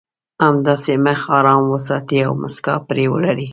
همداسې مخ ارام وساتئ او مسکا پرې ولرئ.